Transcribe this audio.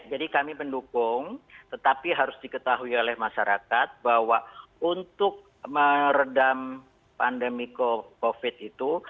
jadi kami mendukung tetapi harus diketahui oleh masyarakat bahwa untuk meredam pandemi covid itu